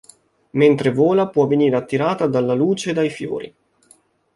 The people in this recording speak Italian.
Mentre vola può venire attirata dalla luce dai fiori.